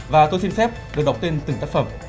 và tôi xin phép được đọc tên từng tác phẩm